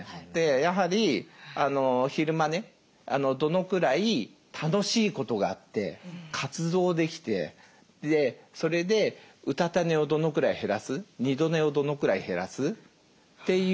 やはり昼間ねどのくらい楽しいことがあって活動できてそれでうたた寝をどのくらい減らす二度寝をどのくらい減らすっていう。